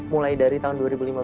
mulai dari tahun dua ribu lima belas